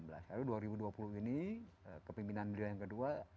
lalu dua ribu dua puluh ini kepimpinan beliau yang kedua